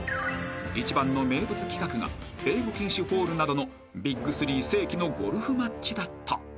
［一番の名物企画が英語禁止ホールなどの『ＢＩＧ３世紀のゴルフマッチ』だった］